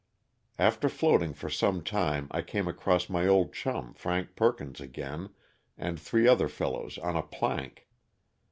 A.fter floating for some time I came across my old chum, Frank Perkins, again and three other fellows on a plank.